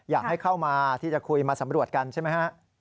อยากให้เข้ามาที่จะคุยมาสำรวจกันใช่ไหมฮะ